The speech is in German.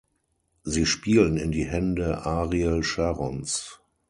Sie spielen in die Hände Ariel Sharons.